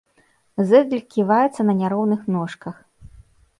Зэдлік ківаецца на няроўных ножках.